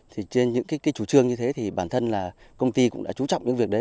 trên những chủ trương như thế thì bản thân là công ty cũng đã trú trọng những việc đấy